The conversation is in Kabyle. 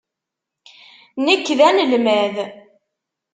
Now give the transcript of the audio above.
Nekk d anelmad.